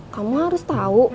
kamu harus tau